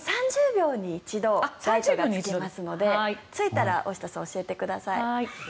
３０秒に１度ライトがつきますのでついたら大下さん教えてください。